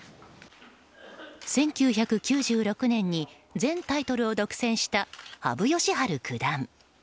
１９９６年に全タイトルを独占した羽生善治九段。